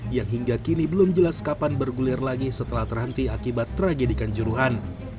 yang hingga kini belum jelas kapan bergulir lagi setelah terhenti akibat tragedikan juruhan